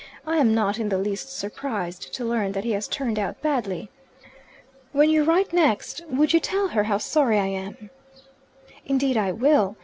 I am not in the least surprised to learn that he has turned out badly. When you write next, would you tell her how sorry I am?" "Indeed I will.